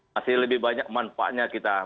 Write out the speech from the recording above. masih lebih banyak manfaatnya kita